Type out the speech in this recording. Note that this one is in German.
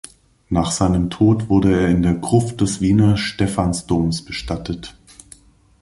Nach seinem Tod wurde er in der Gruft des Wiener Stephansdomes bestattet.